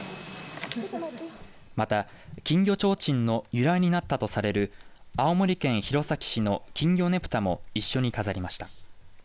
また金魚ちょうちんの由来となったとされる青森県弘前市の金魚ねぷたも一緒に飾りました。